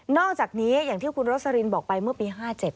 อกจากนี้อย่างที่คุณโรสลินบอกไปเมื่อปี๕๗